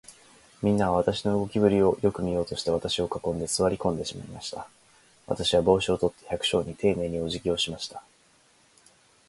みんなは、私の動きぶりをよく見ようとして、私を囲んで、坐り込んでしまいました。私は帽子を取って、百姓にていねいに、おじぎをしました。